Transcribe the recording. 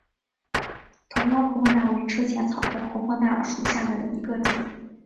头花婆婆纳为车前草科婆婆纳属下的一个种。